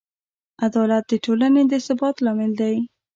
عدالت د ټولنې د ثبات لامل دی.